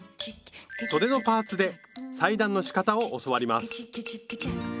そでのパーツで裁断のしかたを教わります